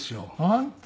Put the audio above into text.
本当？